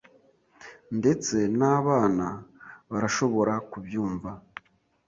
Ndetse n'abana barashobora kubyumva.